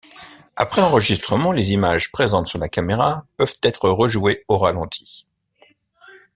Après enregistrement, les images présentes sur la caméra peuvent être rejouées au ralenti.